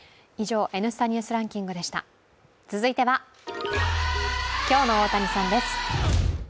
続いては、今日の大谷さんです。